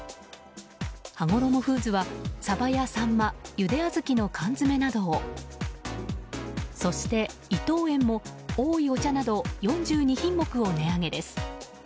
はごろもフーズやさばやさんま、ゆであずきの缶詰などをそして、伊藤園もおいお茶など４２品目を値上げです。